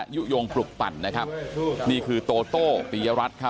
ยุโยงปลุกปั่นนี่คือตโอะโต้ตียรัฐ